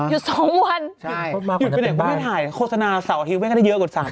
หยุด๒วันใช่หยุดไปไหนก็ไม่ได้ถ่ายโฆษณาเสาร์อาทิตย์ไว้ก็ได้เยอะกว่า๓๐ล้านแล้ว